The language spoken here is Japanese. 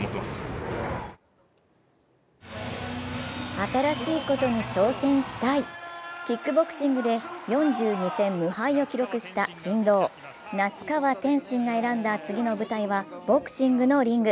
新しいことに挑戦したい、キックボクシングで４２戦無敗を記録した神童・那須川天心が選んだ次の舞台はボクシングのリング。